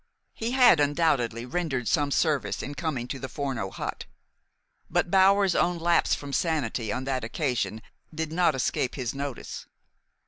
He had undoubtedly rendered some service in coming to the Forno hut; but Bower's own lapse from sanity on that occasion did not escape his notice.